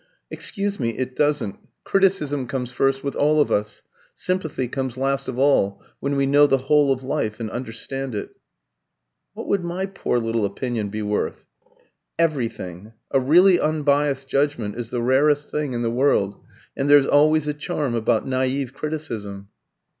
"Excuse me, it doesn't. Criticism comes first with all of us. Sympathy comes last of all when we know the whole of life, and understand it." "What would my poor little opinion be worth?" "Everything. A really unbiassed judgment is the rarest thing in the world, and there's always a charm about naïve criticism."